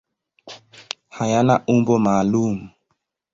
Hayana umbo maalum.